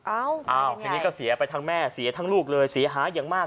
อ้าวทีนี้ก็เสียไปทั้งแม่เสียทั้งลูกเลยเสียหายอย่างมาก